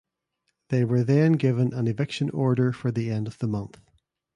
They were then given an eviction order for the end of the month.